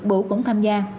bủ cũng tham gia